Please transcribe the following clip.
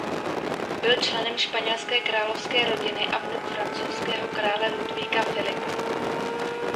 Byl členem španělské královské rodiny a vnuk francouzského krále Ludvíka Filipa.